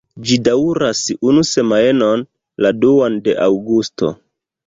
Ĝi daŭras unu semajnon, la duan de aŭgusto.